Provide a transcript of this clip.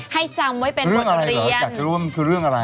ให้จำไว้เป็นบทเรียน